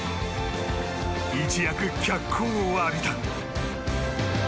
一躍脚光を浴びた。